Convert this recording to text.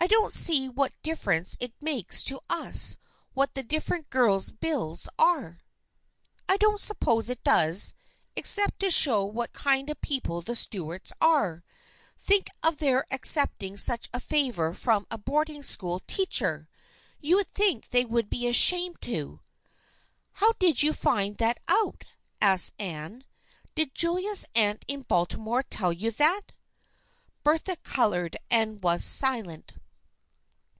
" I don't see what difference it makes to us what the different girls' bills are." " I don't suppose it does, except to show what kind of people the Stuarts are. Think of their ac cepting such a favor from a boarding school teacher ! You would think they would be ashamed to." "How did you find that out?" asked Anne. " Did Julia's aunt in Baltimore tell you that ?" Bertha colored and was silent.